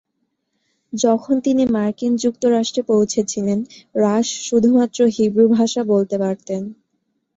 যখন তিনি মার্কিন যুক্তরাষ্ট্রে পৌঁছেছিলেন, রাশ শুধুমাত্র হিব্রু ভাষা বলতে পারতেন।